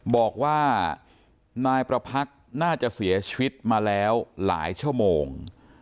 บอกว่านายประพักษ์น่าจะเสียชีวิตมาแล้วหลายชั่วโมง